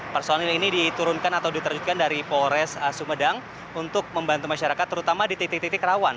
personil ini diturunkan atau diterjutkan dari polres sumedang untuk membantu masyarakat terutama di titik titik rawan